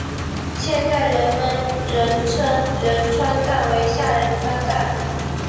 现在人们仍称仁川站为下仁川站。